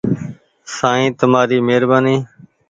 سائين تمآري مهربآني ۔